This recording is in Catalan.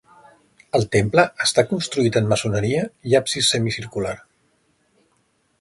El temple està construït en maçoneria i absis semicircular.